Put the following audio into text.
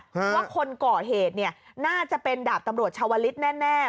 ว่าคนก่อเหตุเนี่ยน่าจะเป็นดาบตำรวจชาวลิศแน่